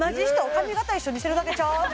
髪形一緒にしてるだけちゃう？